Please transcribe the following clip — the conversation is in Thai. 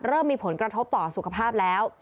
เริ่มมีผลกระทบต่อสุขภาพแล้ว